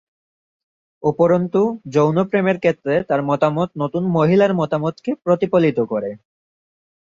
উপরন্তু, যৌন প্রেমের ক্ষেত্রে তার মতামত নতুন মহিলার মতামতকে প্রতিফলিত করে।